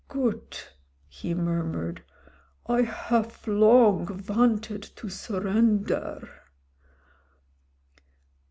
"Goot, he murmured ; "I hof long vanted to surrender.